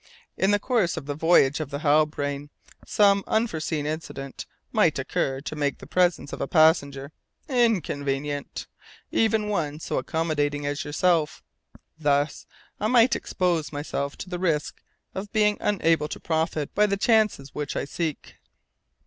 In the course of the voyage of the Halbrane some unforeseen incident might occur to make the presence of a passenger inconvenient even one so accommodating as yourself. Thus I might expose myself to the risk of being unable to profit by the chances which I seek."